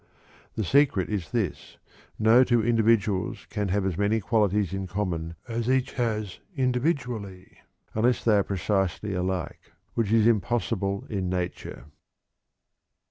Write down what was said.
The secret is this: No two individuals can have as many qualities in common as each has individually, unless they are precisely alike, which is impossible in nature.